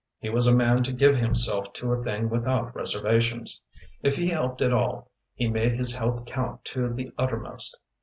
He was a man to give himself to a thing without reservations; if he helped at all he made his help count to the uttermost.